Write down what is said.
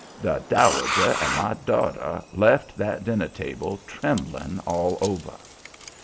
The Dowager and "my daughter" left that dinner table trembling all over.